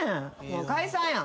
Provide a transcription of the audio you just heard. もう解散や。